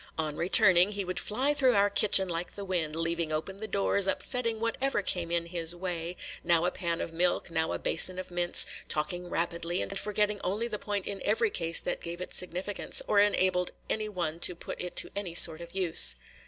On returning, he would fly through our kitchen like the wind, leaving open the doors, upsetting whatever came in his way, – now a pan of milk, and now a basin of mince, – talking rapidly, and forgetting only the point in every case that gave it significance, or enabled any one to put it to any sort of use.